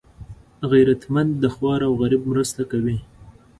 غیرتمند د خوار او غریب مرسته کوي